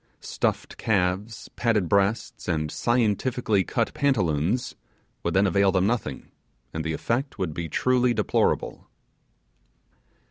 Stuffed calves, padded breasts, and scientifically cut pantaloons would then avail them nothing, and the effect would be truly deplorable.